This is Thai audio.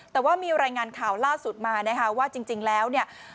แต่ว่ามีรายงานข่าวล่าสุดมานะคะว่าจริงแล้วเนี่ย